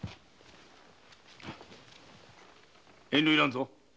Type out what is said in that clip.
遠慮はいらんぞ。